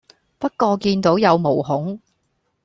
不過見到有毛孔